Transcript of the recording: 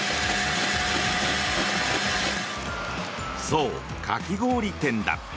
そう、かき氷店だ。